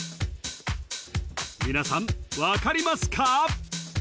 皆さんわかりますか？